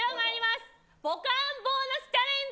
ボカーンボーナスチャレンジ。